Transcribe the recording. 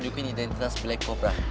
tadi wildan telepon